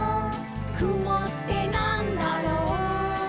「くもってなんだろう？」